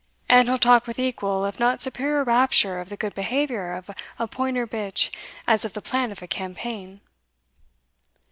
And he'll talk with equal if not superior rapture of the good behaviour of a pointer bitch, as of the plan of a campaign."